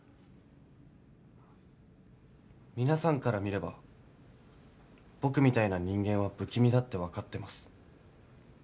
皆さんから見れば僕みたいな人間は不気味だってわかってます。